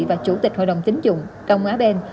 và chủ tịch hội đồng chính dụng đông á bên